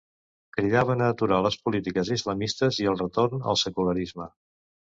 Cridaven a aturar les polítiques islamistes i al retorn al secularisme.